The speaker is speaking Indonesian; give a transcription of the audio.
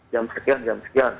yang sekian yang sekian